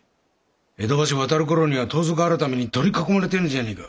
江戸橋を渡る頃には盗賊改に取り囲まれてるんじゃねえか。